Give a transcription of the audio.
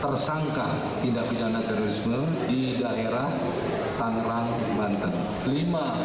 tersangka tindak pidana terorisme di daerah tangerang banten